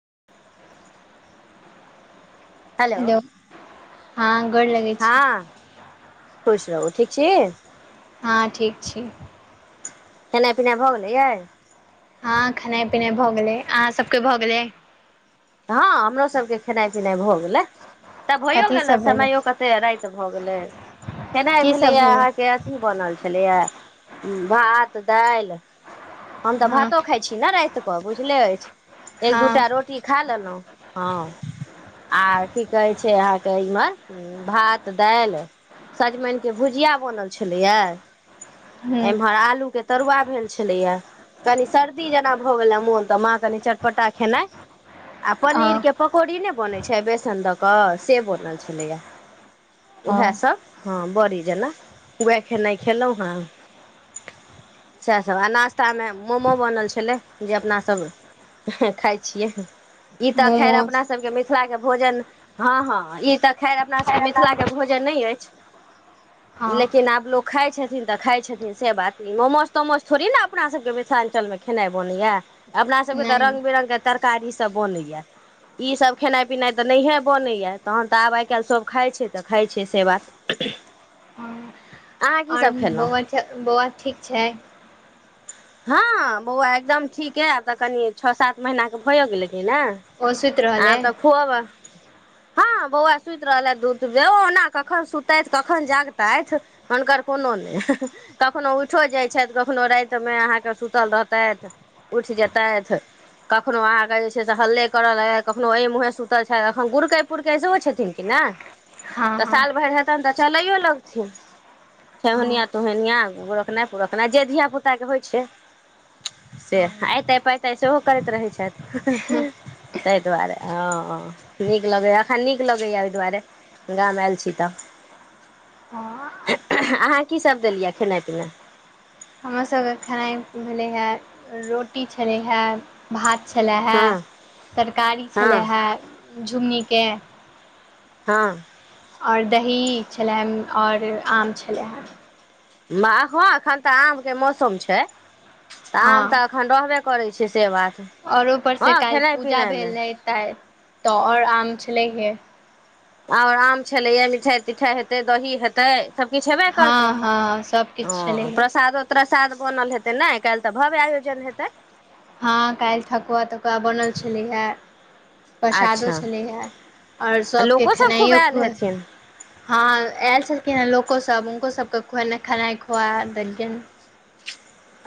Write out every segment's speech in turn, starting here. [inaudible] hello हं गोड़ लगै छी खुश रहु ठीक छी हाँ ठीक छी खेनाई पिनाई भऽ गेलै यै हाँ खेनाई पिनाई भऽ गेलै अहाँ सबके भऽ गेलै हाँ हमरो सबके खेनाय पिनाय भऽ गेलै तब भइयो कथी गेलै सब भेलै समयो कते राति भऽ गेलै खेनाई की सब भेलैए भेलै अहाँके अथी बनल छलैए भात दालि हम तऽ हँ भातो खाई छी ने रात कऽ बुझले अछि एक दू हँ टा रोटी खा लेलउ हाँ आ की कहै छै अहाँके एहिमे भात दाल सजमन के भुजिया बनल छलैया हूँ एमहर आलू के तरुआ भेल छलैया कनी सर्दी जेना भऽ गेलै मोन तऽ माँ कनि चटपटा खेनाई आ पनीर हँ के पकौड़ी नहि बनै छै बेसन दऽ कऽ से बनल छलैया हँ उएहसभ हँ बड़ी जेना उएह खेनाइ खयलहुँ हेँ सएह सभ आ नाश्तामे मोमो बनल छलै जे अपनासभ खाइ छियै ई तऽ खैर मोमोज अपना सबके मिथिला के भोजन हँ हँ ई तऽ खैर अपना सबके मिथिला के भोज न नहि अछि हँ लेकिन आब लोक खाय छथिन तऽ खाय छथिन से बात नहि मोमोज तोमोज थोड़ी ने अपना सबके मिथिलाञ्चलमे खेनाइ बनैया अपना सभके तऽ नहि रंगग बिरंगके तरकारीसभ बनैया ईसभ खेनाइ पिनाइ तऽ नहिए बनैए तहन तऽ आब आइ काल्हि सभ खाइत छै तऽ खाइत छै से बात [inaudible] अहाँ की सब आओर खेलहुँ बौआ बौआ ठीक छै हँ बौआ एकदम ठीक है आब तऽ कनि छओ सात महीना केे भइयो गेलै ने ओ सुति रहल आर अइ तऽ खुअब हँ बौआ सुति रहलथि दूध बे ओना कखन सुतथि कखन जागतथि हुनकर कोनो नहि कखनो उइठो जाइ छथि कखनो राति समय अहाँके सुतल रहतथि उठि जेतैथ कखनो अहाँके जे छै से हल्ले कर ल कखनो एहि मुंहे सुतल छथि एखन गुरकै पुरकै सेहो छथिन किने एं हँ तऽ हँ साल भरि हेतनि तऽ चलैयो लगथिन हँ ठेहुनिया तोहनिया गुरकनाइ पुरकनाइ जे धियापुताके होइ छै से हँ अयइते पइते सेहो करैत रहैत छथि ताहि दुआरे अ नीक लगैया एखन नीक लगैया ओहि दुआरे गाममे आयल छी तऽ हँ अहाँ कीसभ देलियै खेनाइ पिनाइ हमरासभके खेनाइ भेलै हें रोटी छलै हेँ भात छलय हे हँ तरकारी छलै हँ हे झुङगनीके हँ आओर दही छलय आओर आम छलय हे एखन तऽ आम के मौसम छैऽ हँ आम तऽ एखन रहबे करै छै से बात आओर हँ ऊपरसँ काल्हि खेनाइ पूजा पिनाइ मे भेल रहै तै तऽ आओर आम छलै हे आओर आम छलैएा मिठाइ तिठाइ हेतै दही हेतै सबकछु हेबे हँ करतै हँ ह सभकिछु छलै हे प्रसादो त साद बनल हेतै ने आ काल्हि तऽ भव्य आयोजन हेतै हँ काल्हि ठकुआ तकुआ बनल छलै हे प्रसादो अच्छा छलैए आओर सभकेँ लोको सब खूब खेनाइओ आयल खु ह हेथिन हँ ऐल छलखिन कि लोकोसभ हुनकोसभकेँ खुएनाइ खेनाइ खुआ देलकेय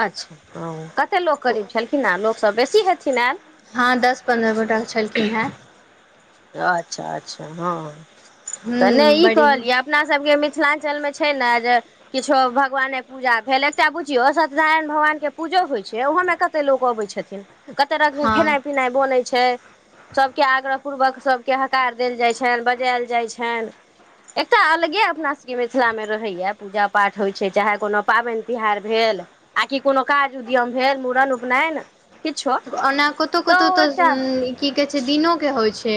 अच्छा हँ कतेक लोक करै छलखिन हे लोकसभ बेसी हेथिन एं हँ दस पन्द्रह गोटाक छलखिन हेँ अच्छा अच्छा हँ तऽ हूँ नहि ई बड़ी कहलियै अपनासभके मिथिलाञ्चलमे छै ने जे किछो भगवाने पूजा भेल एकटा बुझियौ सत्यनारायण भगवान के पूजो होइ छै वह मे कते लोग अबे छथिन कते रंग के खेनाइ हँ पिनाइ बनै छै सब के आग्रह पूर्वक सभके हकार देल जाइ छनि बजायल जाइ छनि एकटा अलगे अपना सभके मिथिलामे रहैया पूजा पाठ होइत छै चाहे कोनो पाबन तिहार भेल आ कि कोनो काज उद्यम भेल मुड़न उपनयन किछो ओना कतहु कतहु ओ तऽ एकटा की कहै छै दिनोके होइ छै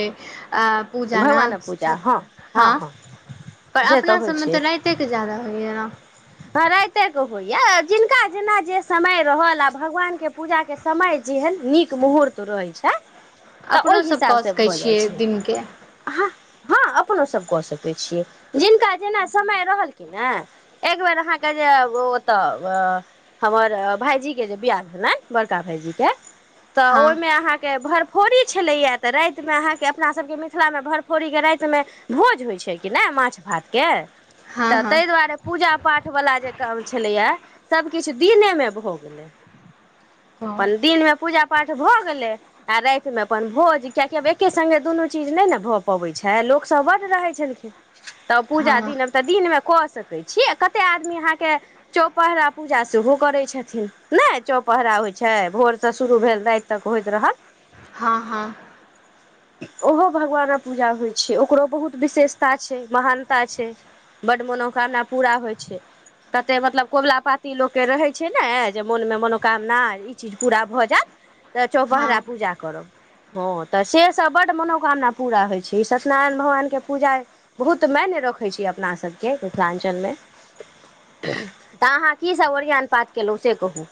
पूजा ना हँ पर से अपना होइ सबमे तऽ राइते के जदा होइय ने राते के होइया जिनका जेना जे समय रहल आ भगवान के पूजा के समय जे हे नीक मुहूर्त रहै छै तऽ ओहि अपनो सभ कऽ हिसाबसँ सकै भऽ जाइ छियै छै दिनके अ हा हँ अपनो सभ कऽ सकैत छियै जिनका जेना समय रहल कि ने एकबेर अहाँ के जे ओत हमर भायजी के जे बियाह छलनि बड़का भायईजी जी के तऽ हँ ओहिमे आहा के भरफोरी छलैया तऽ राति मे अहाँ के अपना सब के मिथिला मे भरफोरी के राति मे भोज होय छै कि नहि माछ भात के हँ तऽ हँ तहि दुआरे पूजा पाठवला जे काम छलैएा सभकिछु दिनेमे भऽ गेलै [unintelligible] अपन दिन में पूजा पाठ भ गेले आ राति मे अपन भोज कियकि आब एके संगे दुनू चीज नहि ने भऽ पबै छै लोक सब बड्ड रहै छलखिन तब पूजा हँ दिनब तऽ दिन मे कऽ स छ कते आदमी अहाँके चौपहरा पूजा सेहो करै छथिन ने चौपहरा छै भोरसँ शुरू भेल राति तक होइत रह हँ हँ ओहो भगवानक पूजा होय छै ओकरो बहुत विशेषता छै महानता छै बड्ड मनोकामना पूरा हो छै कतेक मतलब कबुला पाती लोककेँ रहै छै ने जे मोनमे मनोकामना ई चीज पूरा भऽ जायत तऽ हँ चौपहरा पूजा करब हँ तऽ से सब बड मनोकामना पूरा होइ छै ई सत्यनारायण भगवान के पूजा बहुत म ने रखै छीै अपना सबके मिथिलाञ्चल मे तऽ अहाँ कीसभ ओरियान पाठ केलहुँ से कहू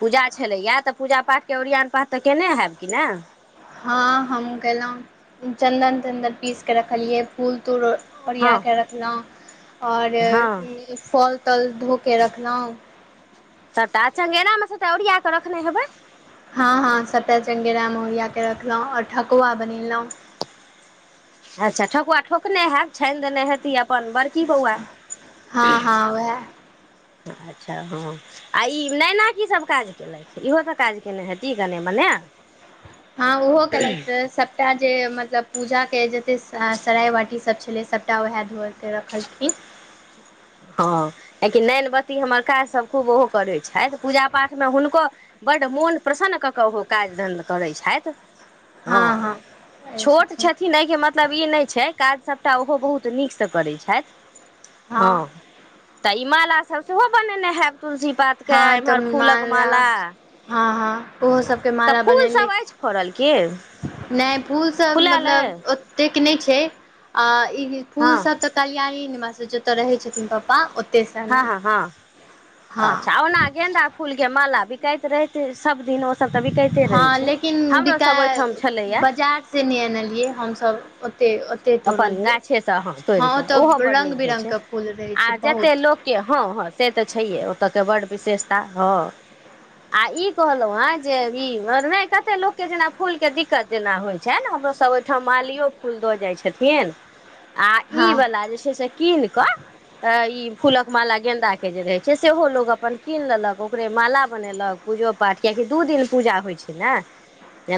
पूजा छलैए तऽ पूजा पाठके ओरियान पाठ तऽ केने हैब कि नहि हँ हम गेलहुँ चन्दन चन्दन पीसके रखलियै फूल तूल ओरिया हँ के रख लाऊं आओर हँ फल तल धोके रखलहुँ तटा च्ंगेरामे सैटा ओरिया कऽ रखने हेबै हँ हँ सभटा चङ्गेरामे ओरिया कऽ रखलहुँ आओर ठकुआ बनेलहुँ अच्छा ठकुआ ठोकने हैब छानि देने हेती अपन बड़की बौआ हँ हँ ओहे अच्छा हँ आ ई नैना कीसभ काज कयेलथि इहोसभ काज कयने हेती कने मने [unintelligible] हँ ओहो केलथि सबटा जे मतलब पूजा के जते सराय बाटीसभ छलै सभटा वएह धोे रखलखिन हँ एं की नैनबत्ती हमर काज सभ खूब ओहो करै छथि पूजा पाठमे हुनको बड मोन प्रसन्न कऽ कऽ ओहो काज धन्ध करै छथि हँ छोट छथिन एहिके मतलब ई नहि छै काज सभटा ओहो बहुत नीकसँ करैत छथि हँ तऽ ई मालासभ सेहो बनेने हैब तुलसी पात के हँ इम्हर तऽ फूलक माला हँ ओहो हँ सभके तऽ फूलसभ अछि फड़ल की नै फूल सब फुलायल अइ मतलब ओतेक नहि छै आ ई फूल हँ सब तऽ कल्यणी जतय रहै छथिन पापा हँ हँ हँ हँ अछा ओना गेंदा फूल के माला बिकाइत रहै सब दिन हँ लेकिन बिकाय ओहिठाम छलैए बाजार से नहि एनलियै हमसभ ओतेक ओतेक अपन तोड़लियै गाछेसँ तोड़ हँ कऽ ओहो ओतय बड़ रङ्ग नीक होइत छै बिरङ्गके फूल रहै छै आ जते बहुत लोकके हँ हँ से तऽ छैहे ओतऽके बड्ड विशेषता हँ आ ई कहलहु हेँ जे ई नहि कते लोकके जेना फूल के दिक्कत जेना होइत छैन मरो सब ओहिठाम मालियो फूल द जाय छथिन आ हँ ई वाला जे छै से कीन क अ ई फूलक माला गेन्दा के जे रहे छै सेहो लोग अपन कीन लेलक ओकरे माला बनेलक पूजो पाठ कियाकी दू दिन पूजा होइ छै ने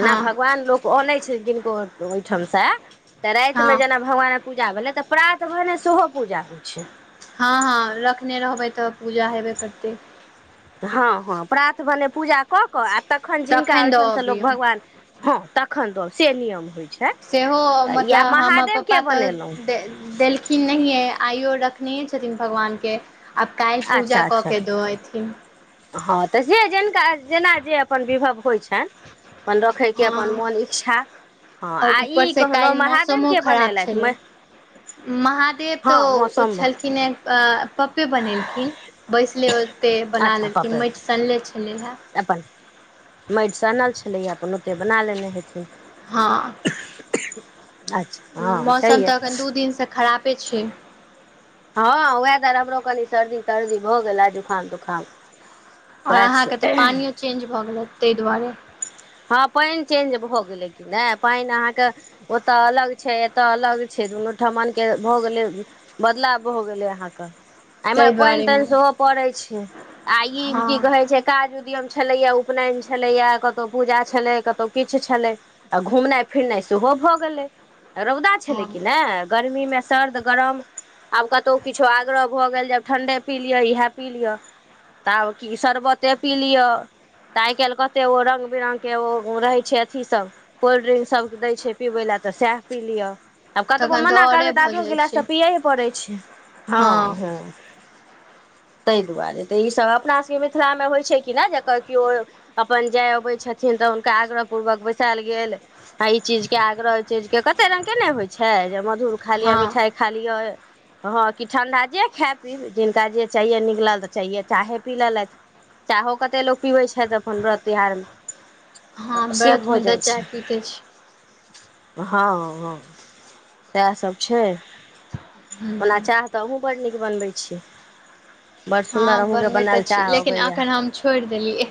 हँ भगवान लोक अनै छै किनको ओहिठाम से तऽ राति हँ मे जेना भगवानक पू जा भेलै तऽ प्रात भने सेहो पूजा होइ छै हँ हँ रखने रहबै तऽ पूजा हेबे करतै हँ हँ प्रात भने पूजा कऽ कऽ आ तखन जिनका दऽ ओहिठामसँ लोक अबियौ भगवान हँ तखन द से नियम होइ छै सेहो तऽ या मतलब हमर पप्पा महादेवके तऽ बनेलहुँ देलखिन नहिये आइयो रखनेहे छथिन भगवान के आब काल्हि पूजा अच्छा कऽ अच्छा के दऽ एथिन हँ तऽ से जिनका जेना जे अपन विभव होइ छै एं अपन रखैके हँ अपन मोन इच्छा हँ आ ई ऊपरसँ कहलहुँ काल्हि महादेव मौसमो के खराब बनेलथि छलै म महादेव तो हँ ओ मौसम छलखिने अ पप्पे बनेलखिन बैसले ओतै बना अच्छा लेलखिन पापड़ माटि सनले छलै हे मटिसँनल छलैएा अपन ओते बना लेने हेथिन हँ अच्छा हँ मौसम छैहे तऽ एखन दू दिनसँ खरापे छै हँ वेदर हमरो कनि सर्दी तर्दी भऽ गेला जुकाम तुखाम आओर अहाँके तऽ पानियो चेंज भऽ गेलै ताहि दुआरे हँ पानि चेंज भऽ गेलै क नहि पानि अहाँके ओतय अलग छै एतय अलग छै दुनू ओठमन के भऽ गेलै बदलाव भऽ गेलै अहाँके इमहर ताहि पानि तानि दुआरेमे सेहो पड़े छै आ ई हँ की कहे छै काज उद्यम छलैया उपनयन छलैया क कतहु पूजा छलै कतहु किछु छलै आ घुमनाइ फिरनाइ सेहो भऽ गेलै रौदा छलै हँ कि नहि गर्मीमे सर्द गरम आब कतहु किछो आग्रह भऽ गेल जे आब ठण्ढे पी लिअ इएह पी लिअ त आब कि शर्बते पी लियअ तऽ आइ काल्हि कते ओ रंग बिरंगग के ओ रहै छै अथी सब कोल्ड्रिंक सब दै छै पीबै लए तऽ सएह पी लियअ आब कतबो तखन मना करबै औरे तऽ भऽ आधो जाइ गिलास त छै पियैे पड़ै छै हँ हँ ह [inaudible] ताहि दुआरे तऽ ई सब अपना सबके मिथिला मे होइ छै कि न जेकर केओ अपन जाय अबै छथिन तऽ हुनका आग्रह पूर्वक बैसायल गेल आ ई चीज के आग्रह चीजके कतेक रँगके ने होइ छै जे मधुर खा लिय हँ मिठाइ खा लिय हँ कि ठण्ढा जे खाय पीब जिनका जे चाये निक लागल तऽ चाहिये चाहे पी लेलथि चाहो कते लोग पीबे छै त अपन वरत त्योहार मे हँ तऽ से भऽ व्रतमे तऽ जाइ छै चाय पीते छी हँ हँ इएहसभ छै ओना हूँ चाह तऽ अहुं बड्ड नीक बनबै छियै बड़ सुन्दर हँ अहूँके बनबैत बनाय तऽ लए छी चाह लेकिन अबैए एखन हम छोड़ि देलियै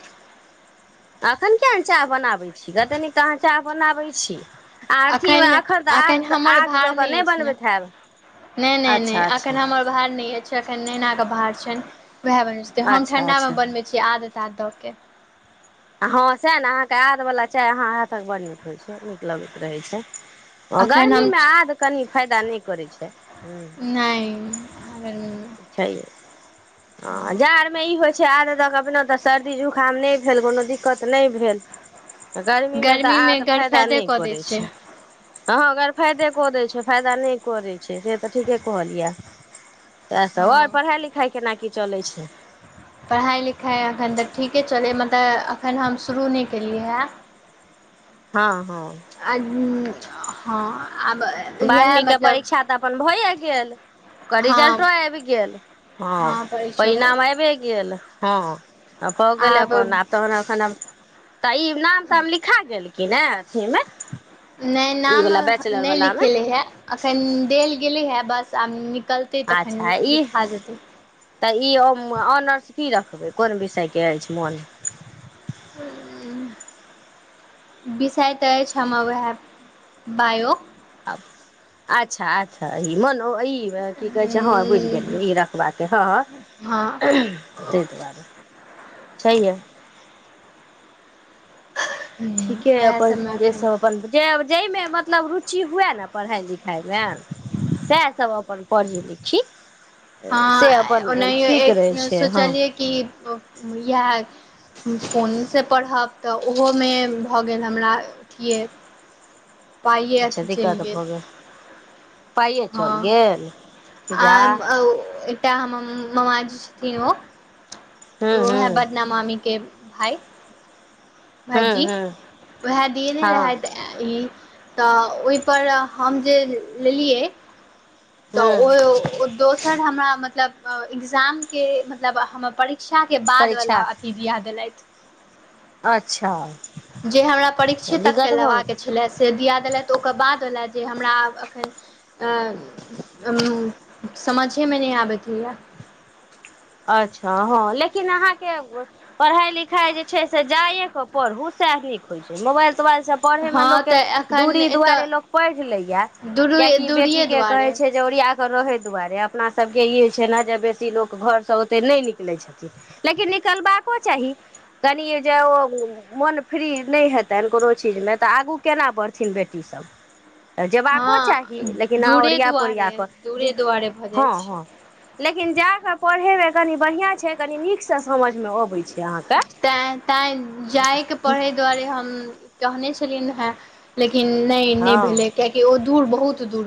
एखन किएक नहि चाह बनाबैत छी कतन कह अहाँ चाह बनाबै छी आ अथीमे एखन तऽ आ हमर आद भार दऽ कऽ नहि अछि ने बनबैत हैब नहि नहि नहि अच्छा अच्छा अखन हमर भार नहि अछि एखन नैना के भार छनि वएह बनै छैै हम अच्छा ठण्डामे अच्छा बनबै छी आद ताध दऽ के हँ सएह ने अहाँके आदवला चाय अहाँ हाथक बड नीक लगैत रहैत छै आ एखन हम गर्मीमे आद कनि फायदा नहि करै छै नहि गर्मीमे छै हँ ह जाड़ मे ई होइ छै आद तक अपने तऽ सर्दी जुकाम नहि भेल कोनो दिक्कत नहि भेल गर्मीमे तऽ आद फायदा गरफायदे नहि कऽ दै करैत छै हँ गरमी फायदे कऽ दैत छै फायदा नहि कऽ दैत छै से तऽ ठीके कहल यै अहाँ हँ तएहसभ आओर पढ़ाइ लिखाइ केना की चलै छै पढ़ाइ लिखाइ एखन तऽ ठीके चलै मतलब एखन हम शुरू नहि केलियै हए हँ हँ हाँ बारहवींके परीक्षा तऽ अपन भए गेल ओ हँ रिजल्टो आबि गेल हाँ हँ परीक्षो परिणाम आबिए गेल हाँ पऽ गेलै अपन आब तहन एखन तऽ ई नाम तऽ हम लिखा गेल कि नहि छैमे नहि नाम नहि लिखेले हे अखन देल गेलै हे बस आब न अच्छा ई तऽ ई ऑनर्स की र कोन विषयके अछि मोन [unintelligible] विषय त अछि हमर उहे बायो आब अच्छा अच्छा ई मनो ई की कहै छै हाँ बुझि गेलियै ई रखबाके हाँ हँ तहि दुआरे छैहे ठीके उएह अपन सबमे जे सब एखन अपन जहिमे मतलब रुचि हुए ने पढ़ाई लिखाइमे सएह सब अपन पढ़ी लिखी से हँ अपन ओनाहियो ठीक एक रहै छै हँ सोचलियै कि इएह फोनसे पढ़ब तऽ ओहोमे भऽ गेल हमरा अथिए पाइए अच्छा अथी चलि दिक्कत भऽ गेल पाइए चल हँ गेल आ जा एकटा हमर मामाजे छथिन ओ हूँ हूँ ओहै बदनामामी के भाई हूँ भाईजी हूँ उएह दिये ने हँ रहैत ई तऽ ओहिपर हम जे लेलियै तऽ हूँ ओ दोसर हमरा मतलब एग्जाम के मतलब हमर परी शिक्षा के बाद परीक्षा वाला अथी दिया देलथि अच्छा जे हमरा परीक्षे तक के दिक्कत भऽ लेबा गेल के छलै से दिया देलथिन ओकर बाद बाला आ जे एखन हमरा उ समझे मे नहि आबैत यै अच्छा हाँ लेकिन अहाँके पढ़ाई लिखाई जे छै से जाइएके पढ़ू सएह नीक होइ छै मोबाइल तोबाइलसे पढ़ेमे हँ लोकके तऽ एखन दूरी एतय दुआरे लोक पढ़ि लैय दूर कियाकि बेटी दूरिए के कहे दुआरे छै जे ओरिया रहे दुआरे अपना सब के इ छै ने जे बेटी लोक घर से ओतेक नहि निकलै छथिन लेकिन निकलबाको चाही कनिये जे ओ मोन फ्री नहि हेतन कोनो चीजमे तऽ आगू केना बढ़थिन बेटी सब जेबाको चाही हँ लेकिन अहाँ दूरे ओरिया दुआरे पोरिया कऽ दूरे जे दुआरे भऽ जाइ हाँ हाँ छै लेकिन जा कऽ पढ़ेमे कनि बढ़ियाॅं छै कनी नीक तैं तैं जायके पढ़ै दुआरे हम कहने छलियिन हे लेकिन नहि ने हँ भेले कियाकी ओ दूर बहुत दूर